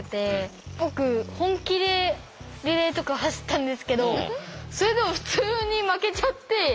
僕本気でリレーとか走ったんですけどそれでも普通に負けちゃって。